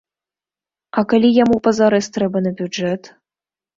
А калі яму пазарэз трэба на бюджэт?